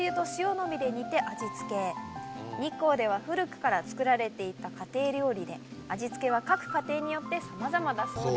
日光では古くから作られていた家庭料理で味付けは各家庭によってさまざまだそうです。